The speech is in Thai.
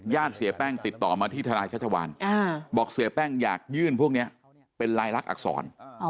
เสียแป้งติดต่อมาที่ทนายชัชวานบอกเสียแป้งอยากยื่นพวกนี้เป็นลายลักษณอักษร